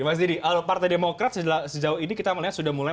mas didi partai demokrat sejauh ini kita melihat sudah mulai